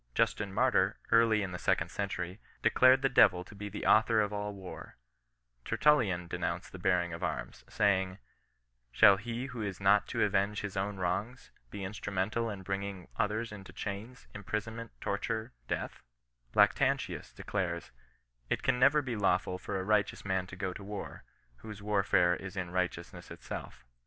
Justin Martyr, early in the •econd century, declared the devil to be the author of M war, Tertullian denounced the bearing of arms, saying, ShaU he who is not to avenge his own wrongs^ be itistrU" mental in hrinqing others into chains, imprisonment^ torment, death /" Lactantius declares :—" It can never he Jafwfutfor a righteous man to go to war^ whose warfare is in righteousness itself.'